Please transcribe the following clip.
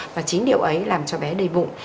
và chính điều ấy làm cho bé đầy bụng